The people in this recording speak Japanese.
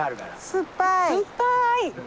酸っぱい。